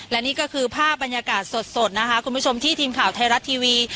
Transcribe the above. และนี่ก็คือภาพบรรยากาศสดนะคะคุณผู้ชมที่ทีมข่าวไทยรัฐทีวี